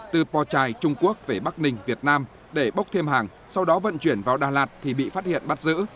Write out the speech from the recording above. từ po chai trung quốc về bắc ninh việt nam để bốc thêm hàng sau đó vận chuyển vào đà lạt thì bị phát hiện bắt giữ